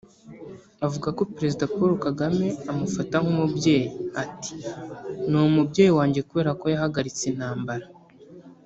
avuga ko Perezida Paul Kagame amufata nk’umubyeyi ati “Ni umubyeyi wanjye kubera ko yahagaritse intambara